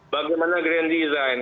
bagaimana grand design